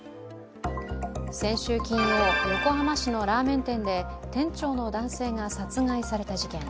先週金曜、横浜市のラーメン店で店長の男性が殺害された事件。